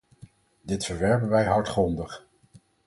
Dit verwerpen wij hartgrondig.